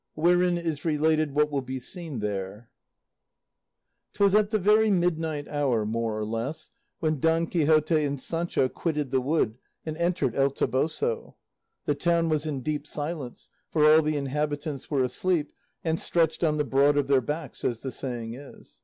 WHEREIN IS RELATED WHAT WILL BE SEEN THERE 'Twas at the very midnight hour more or less when Don Quixote and Sancho quitted the wood and entered El Toboso. The town was in deep silence, for all the inhabitants were asleep, and stretched on the broad of their backs, as the saying is.